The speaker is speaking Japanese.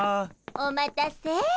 お待たせ。